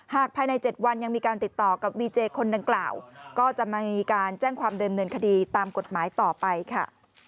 ภายใน๗วันยังมีการติดต่อกับวีเจคนดังกล่าวก็จะมีการแจ้งความเดิมเนินคดีตามกฎหมายต่อไปค่ะ